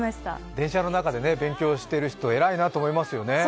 電車の中で勉強してる人、偉いなと思いますよね。